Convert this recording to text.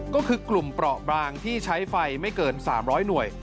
ก็คือกลุ่มเปราะบางที่ใช้ไฟไม่เกิน๓๐๐หน่วย